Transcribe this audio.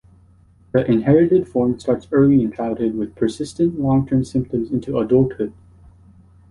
The inherited form starts early in childhood with persistent long-term symptoms into adulthood.